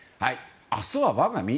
明日は我が身？